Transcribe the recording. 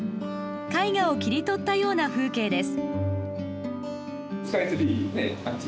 絵画を切り取ったような風景です。